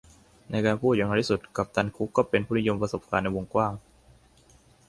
ในการพูดอย่างน้อยที่สุดกัปตันคุกก็เป็นผู้นิยมประสบการณ์ในวงกว้าง